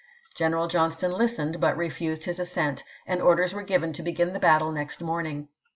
General Johnston listened, but refused his assent, and orders were given to begin the battle Grant ii^xt morniug.